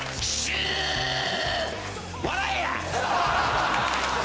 笑えや！